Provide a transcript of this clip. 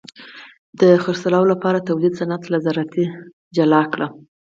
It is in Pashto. د خرڅلاو لپاره تولید صنعت له زراعت جلا کړ.